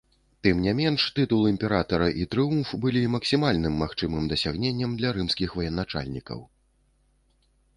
Тым не менш, тытул імператара і трыумф былі максімальным магчымым дасягненнем для рымскіх военачальнікаў.